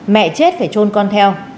mẹ chết phải trôn con theo